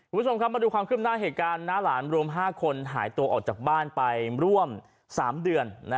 คุณผู้ชมครับมาดูความขึ้นหน้าเหตุการณ์น้าหลานรวม๕คนหายตัวออกจากบ้านไปร่วม๓เดือน